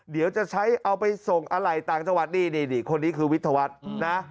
เดี๋ยวจะใช้เอาไปส่งอะไรต่างจังหวัดนี่นี่คนนี้คือวิทยาวัฒน์นะ